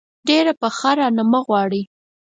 ډېره پخه رانه مه غواړئ.